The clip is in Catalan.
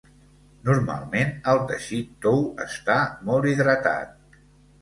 Normalment el teixit tou està molt hidratat.